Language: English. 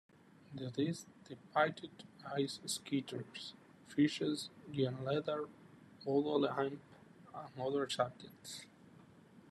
The discs depicted Ice Skaters, Fishes, Giant's Ladder, Bottle Imp and other subjects.